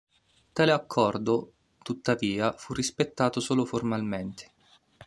Tale accordo, tuttavia, fu rispettato solo formalmente.